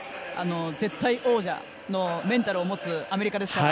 絶対王者のメンタルを持つアメリカですから。